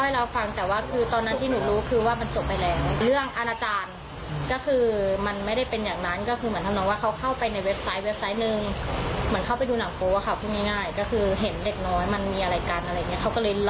แล้วอัพโหลดมาไว้ในน็อทบุ๊ก